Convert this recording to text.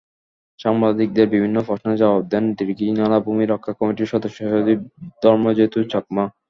সাংবাদিকদের বিভিন্ন প্রশ্নের জবাব দেন দীঘিনালা ভূমি রক্ষা কমিটির সদস্যসচিব ধর্মজ্যোতি চাকমা।